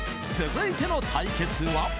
［続いての対決は］